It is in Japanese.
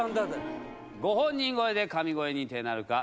ご本人超えで神声認定なるか？